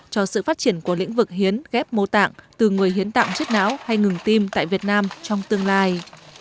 cho sự phát triển của lĩnh vực hiến ghép mô tạng từ người hiến tạng chết não hay ngừng tim tại việt nam trong tương lai